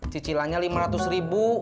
cicilannya lima ratus ribu